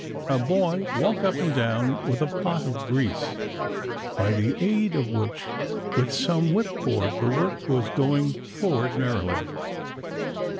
A boy walked up and down with a pot of grease, by the aid of which with some whipcord the work was going forward merrily.